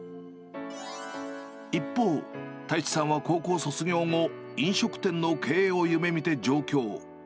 一方、太地さんは高校卒業後、飲食店の経営を夢みて上京。